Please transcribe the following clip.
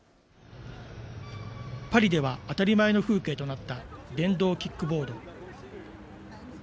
パリでは当たり前の風景となった電動キックボード。